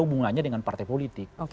hubungannya dengan partai politik